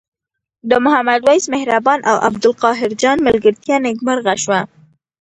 د محمد وېس مهربان او عبدالقاهر جان ملګرتیا نیکمرغه شوه.